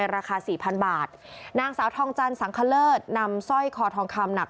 ราคา๔๐๐๐บาทนางสาวทองจันทร์สังเครือนำสร้อยคอทองคำหนัก๒